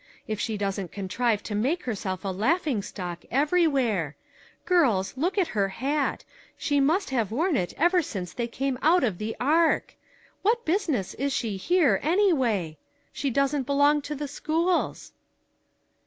If she doesn't contrive to make herself a laughing stock everywhere ! Girls, look at her hat; she must have worn it ever since they came out of the ark. What busi ness is she here, anyway? She doesn't belong to the schools?"